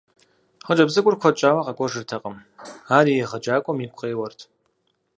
Хъыджэбз цӀыкӀур куэд щӏауэ къэкӀуэжыртэкъыми, ар и егъэджакӀуэм игу къеуэрт.